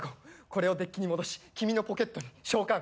これをデッキに戻し君のポケットに召喚。